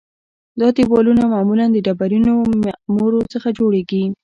دا دیوالونه معمولاً د ډبرینو معمورو څخه جوړیږي